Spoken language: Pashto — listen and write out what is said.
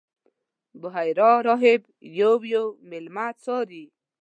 بحیرا راهب یو یو میلمه څاري.